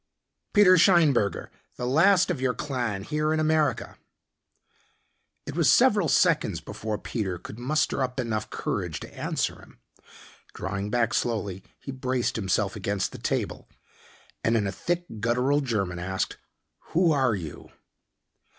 "Peter Scheinberger, the last of your clan here in America." It was several seconds before Peter could muster up enough courage to answer him. Drawing back slowly he braced himself against the table, and in a thick, guttural German asked, "Who are you?"